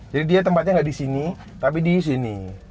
jadi dia tempatnya ga disini tapi disini